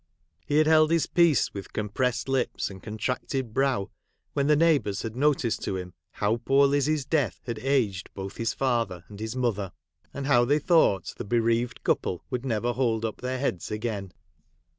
He had held his peace, with compressed lips and contracted brow, when the neighbours had noticed to him how poor Lizzie's death had aged both his lather and his mother ; and how they thought the bereaved couple would never hold up their heads again.